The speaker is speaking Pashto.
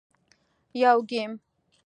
- یو ګېم 🎮